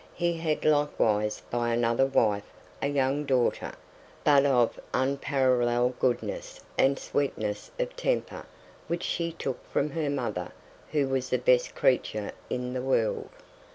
He had likewise, by another wife, a young daughter, but of unparalleled goodness and sweetness of temper, which she took from her mother, who was the best creature in the world.